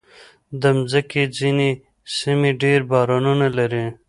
د مځکې ځینې سیمې ډېر بارانونه لري.